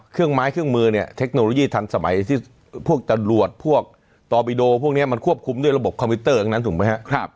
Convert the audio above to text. ไม้เครื่องมือเนี่ยเทคโนโลยีทันสมัยที่พวกตำรวจพวกตอบิโดพวกนี้มันควบคุมด้วยระบบคอมพิวเตอร์ทั้งนั้นถูกไหมครับ